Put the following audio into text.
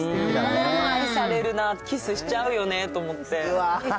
あれは愛されるな、キスしちゃうよねと思って。